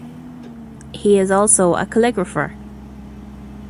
He is also a calligrapher.